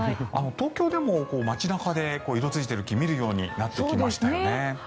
東京でも街中で色付いている木を見るようになってきましたよね。